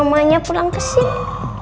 sama mamanya pulang kesini